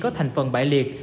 có thành phần bại liệt